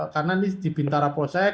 karena ini di bintara prosek